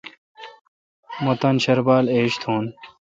مہ تان شربال ایج تھون۔